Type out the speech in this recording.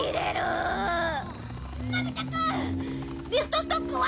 リフトストックは？